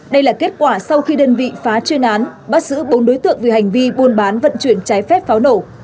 đây là kết quả sau khi đơn vị phá chuyên án bắt giữ bốn đối tượng về hành vi buôn bán vận chuyển trái phép pháo nổ